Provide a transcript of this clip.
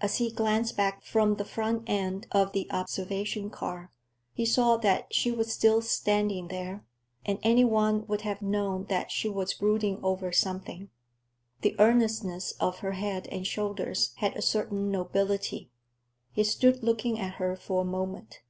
As he glanced back from the front end of the observation car, he saw that she was still standing there, and any one would have known that she was brooding over something. The earnestness of her head and shoulders had a certain nobility. He stood looking at her for a moment.